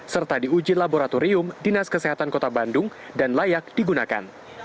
serta diuji laboratorium dinas kesehatan kota bandung dan layak digunakan